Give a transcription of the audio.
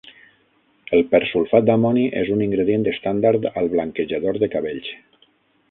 El persulfat d"amoni és un ingredient estàndard al blanquejador de cabells.